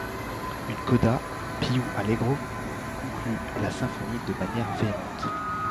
Une coda, Più allegro, conclut la symphonie de manière véhémente.